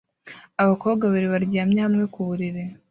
abakobwa babiri baryamye hamwe ku buriri